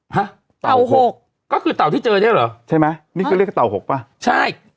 ฮะเต่าหกก็คือเต่าที่เจอเนี่ยเหรอใช่ไหมนี่ก็เรียกว่าเต่าหกป่ะใช่